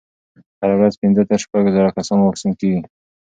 هره ورځ پنځه تر شپږ زره کسانو واکسین کېږي.